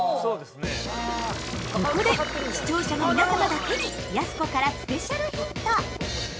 ◆ここで、視聴者の皆様だけにやす子からスペシャルヒント！